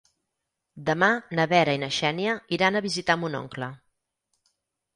Demà na Vera i na Xènia iran a visitar mon oncle.